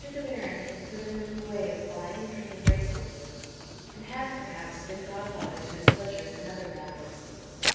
De Baron had put him in the way of buying and training race horses, and had, perhaps, been godfather to his pleasures in other matters.